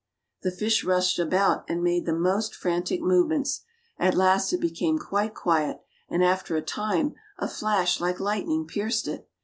The fish rushed about and made the most frantic move ments. At last it became quite quiet, and after a time, a flash like lightning pierced it.